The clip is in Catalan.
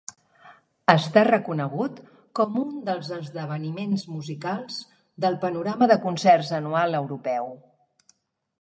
Està reconegut com un dels esdeveniments musicals del panorama de concerts anual europeu.